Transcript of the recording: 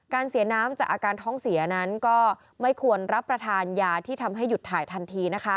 เสียน้ำจากอาการท้องเสียนั้นก็ไม่ควรรับประทานยาที่ทำให้หยุดถ่ายทันที